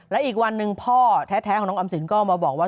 และอีกวันหนึ่งพ่อแท้ของน้องออมสินก็มาบอกว่า